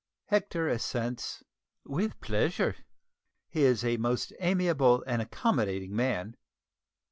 Hector assents "with pleasure." He is a most amiable and accommodating man.